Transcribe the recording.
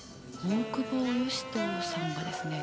大久保嘉人さんがですね